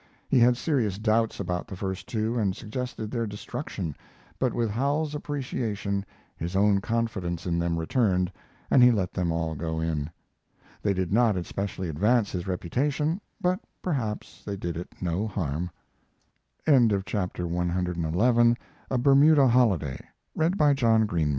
He had serious doubts about the first two and suggested their destruction, but with Howells's appreciation his own confidence in them returned and he let them all go in. They did not especially advance his reputation, but perhaps they did it no harm. CXII. A NEW PLAY AND A NEW TALE He wrote a short story that year which is notable